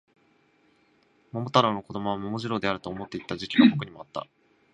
桃太郎の子供は桃次郎であると思っていた時期が僕にもあった